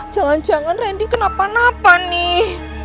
jangan jangan randy kenapa napa nih